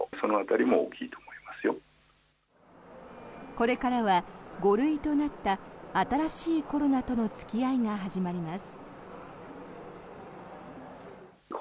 これからは５類となった新しいコロナとの付き合いが始まります。